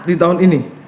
di tahun ini